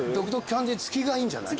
キャンディ付きがいいんじゃない？